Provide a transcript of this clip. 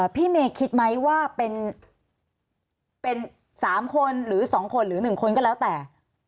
พี่เมย์คิดไหมว่าเป็น๓คนหรือ๒คนหรือ๑คนก็แล้วแต่